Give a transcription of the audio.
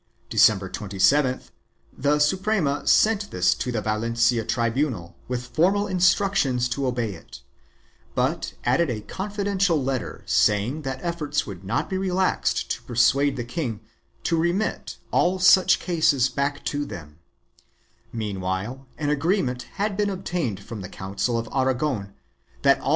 December 27th the Suprema sent this to the Valencia tribunal with formal instructions to obey it, but added a confidential letter saying that efforts would not be relaxed to persuade the king to remit all such cases back to them; meanwhile an agree ment had been obtained from the Council of Aragon that all